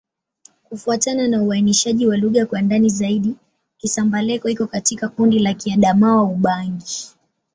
Kufuatana na uainishaji wa lugha kwa ndani zaidi, Kisamba-Leko iko katika kundi la Kiadamawa-Ubangi.